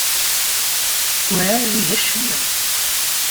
Werɛad igi acemma.